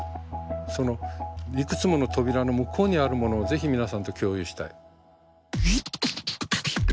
そのいくつもの扉の向こうにあるものをぜひ皆さんと共有したい。